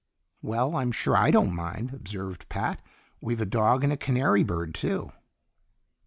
"Well, I'm sure I don't mind," observed Pat. "We've a dog and a canary bird, too."